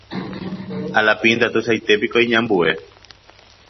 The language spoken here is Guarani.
alapínta tuichaite piko iñambue